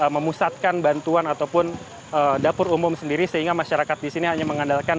memusatkan bantuan ataupun dapur umum sendiri sehingga masyarakat di sini hanya mengandalkan